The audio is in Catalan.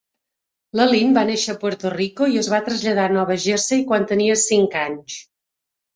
La Lynn va néixer a Puerto Rico i es va traslladar a Nova Jersey quan tenia cinc anys.